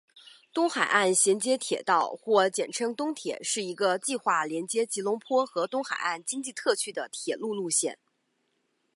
东海岸衔接铁道或简称东铁是一个计划连接吉隆坡和东海岸经济特区的铁路路线。